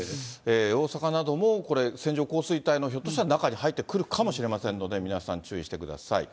大阪などもこれ、線状降水帯のひょっとしたら中に入ってくるかもしれませんので、皆さん注意してください。